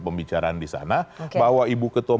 pembicaraan di sana bahwa ibu ketua